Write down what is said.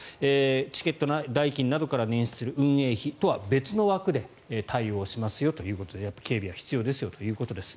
チケット代金などから捻出する運営費とは別の枠で対応をしますよということで警備は必要ですよということです。